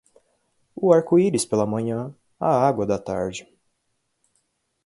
O arco-íris pela manhã, a água da tarde.